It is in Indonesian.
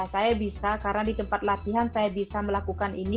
saya bisa karena di tempat latihan saya bisa melakukan ini